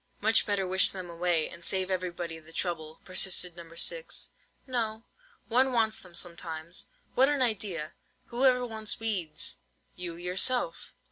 "Much better wish them away, and save everybody the trouble," persisted No. 6. "No: one wants them sometimes." "What an idea! Who ever wants weeds?" "You yourself."